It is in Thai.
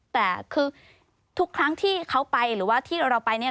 แต่คือทุกครั้งที่เขาไปหรือว่าที่เราไปเนี่ย